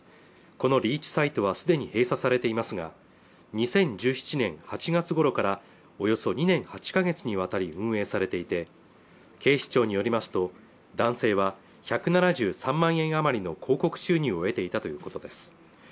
このリーチサイトはすでに閉鎖されていますが２０１７年８月ごろからおよそ２年８か月にわたり運営されていて警視庁によりますと男性は１７３万円余りの広告収入を得ていたということです